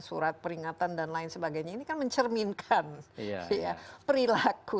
surat peringatan dan lain sebagainya ini kan mencerminkan perilaku